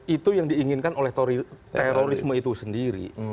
itu yang diinginkan oleh terorisme itu sendiri